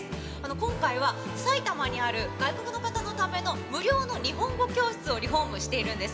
今回は埼玉にある外国の方のための無料の日本語教室をリフォームしているんです。